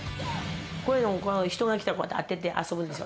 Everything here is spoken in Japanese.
こういうのを人が来たら当てて遊ぶんですよ。